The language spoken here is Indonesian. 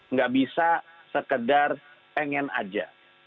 nggak bisa sekedar pengen aja